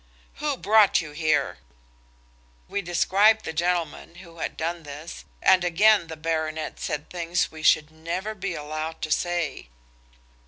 "Who brought you here?" We described the gentleman who had done this, and again the baronet said things we should never be allowed to say.